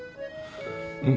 うん。